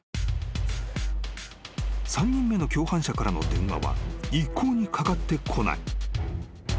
［３人目の共犯者からの電話は一向にかかってこない］